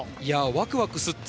ワクワクすっぞ！